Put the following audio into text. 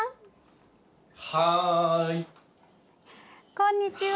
こんにちは。